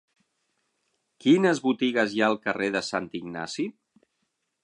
Quines botigues hi ha al carrer de Sant Ignasi?